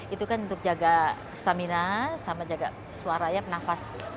itu kan untuk jaga stamina sama jaga suara ya penafas